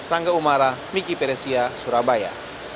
rangga umara miki peresia surabaya